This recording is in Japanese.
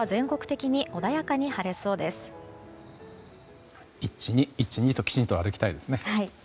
１、２、１、２ときちんと歩きたいですね。